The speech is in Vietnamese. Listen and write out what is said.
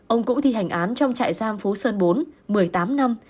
ông cũng thi hành án trong trại giam phú sơn bốn một mươi tám năm